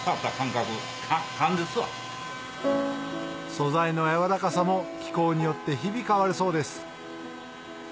素材の柔らかさも気候によって日々変わるそうです